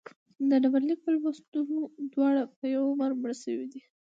د ډبرلیک په لوستلو دواړه په یوه عمر مړه شوي دي.